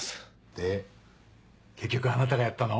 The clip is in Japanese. で結局あなたがやったの？